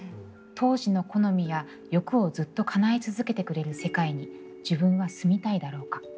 当時の好みや欲をずっと叶え続けてくれる世界に自分は住みたいだろうか。